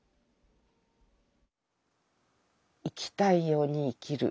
生きたいように生きる。